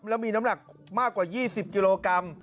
แล้วมีน้ำหนักมากกว่า๒๐กิโลกรัม